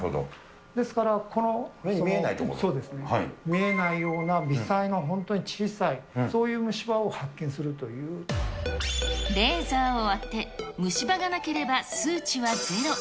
見えないような微細な本当に小さい、そういう虫歯を発見するといレーザーを当て、虫歯がなければ数値はゼロ。